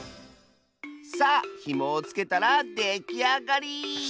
さあひもをつけたらできあがり！